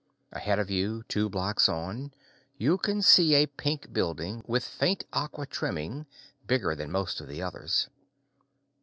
Ahead of you, two blocks on, you can see a pink building, with faint aqua trimming, bigger than most of the others.